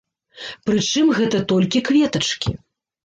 Прычым, гэта толькі кветачкі.